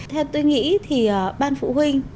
theo tôi nghĩ thì ban phụ huynh